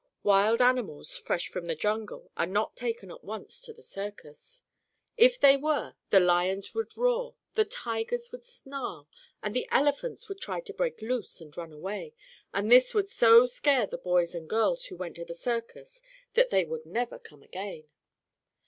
Wild animals, fresh from the jungle, are not taken at once to the circus. If they were the lions would roar, the tigers would snarl and the elephants would try to break loose and run away, and this would so scare the boys and girls who went to the circus that they would never come again.